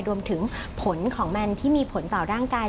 รวมถึงผลของมันที่มีผลต่อร่างกาย